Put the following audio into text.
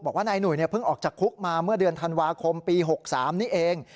นายหนุ่ยเพิ่งออกจากคุกมาเมื่อเดือนธันวาคมปี๖๓นี้เอง